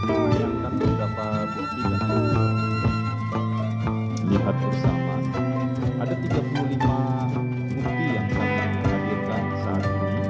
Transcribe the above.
ada tiga puluh lima bukti yang kami hadirkan saat ini